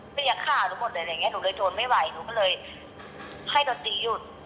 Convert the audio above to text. ไม่อยากฆ่าทุกคนแต่อะไรอย่างเงี้ยหนูเลยโทนไม่ไหวหนูก็เลยให้ดนตรีหยุด